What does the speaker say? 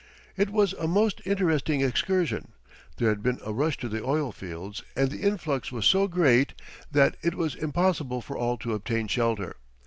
It was a most interesting excursion. There had been a rush to the oil fields and the influx was so great that it was impossible for all to obtain shelter.